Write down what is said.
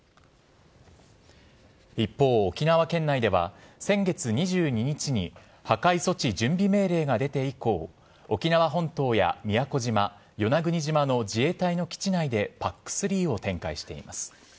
一方、沖縄県内では先月２２日に、破壊措置準備命令が出て以降、沖縄本島や宮古島、与那国島の自衛隊の基地内でＰＡＣ３を展開しています。